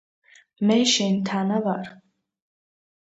მე შენ თანა ვარ.